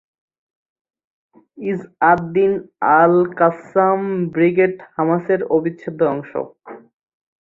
Is ad Din al Qassam Brigade হামাসের অবিচ্ছেদ্য অংশ।